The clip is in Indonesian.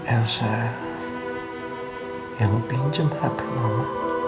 elsa yang pinjam hp mama